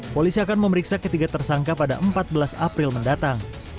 polisi akan memeriksa ketiga tersangka pada empat belas april mendatang